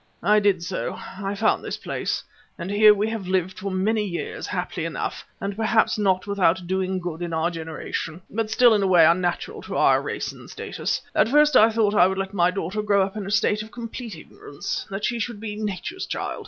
I did so; I found this place, and here we have lived for many years, happily enough, and perhaps not without doing good in our generation, but still in a way unnatural to our race and status. At first I thought I would let my daughter grow up in a state of complete ignorance, that she should be Nature's child.